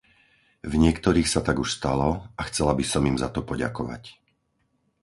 V niektorých sa tak už stalo a chcela by som im za to poďakovať.